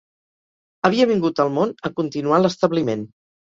Havia vingut al món a continuar l'establiment